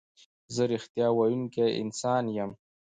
زه رښتیا ویونکی انسان یم.